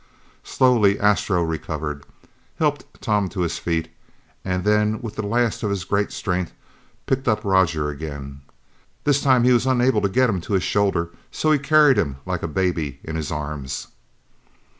Slowly Astro recovered, helped Tom to his feet, then with the last of his great strength, picked up Roger again. This time, he was unable to get him to his shoulder so he carried him like a baby in his arms.